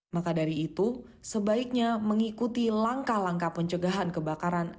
maka dari itu sebaiknya mengikuti langkah langkah pencegahan kebakaran